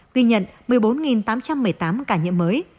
ghi nhận một mươi bốn tám trăm một mươi tám ca nhiễm mới